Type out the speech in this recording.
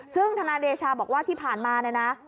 ซึ่งธนายเดชาบอกว่าที่ผ่านมาเนี่ยนะ